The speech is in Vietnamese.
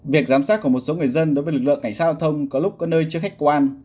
việc giám sát của một số người dân đối với lực lượng cảnh sát giao thông có lúc có nơi chưa khách quan